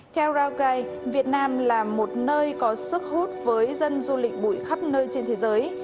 theo raoke việt nam là một nơi có sức hút với dân du lịch bụi khắp nơi trên thế giới